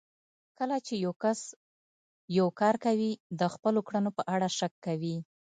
کله چې يو کس يو کار کوي د خپلو کړنو په اړه شک کوي.